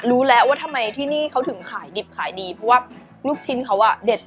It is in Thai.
รู้แล้วว่าทำไมที่นี่เขาถึงขายดิบขายดีเพราะว่าลูกชิ้นเขาอ่ะเด็ด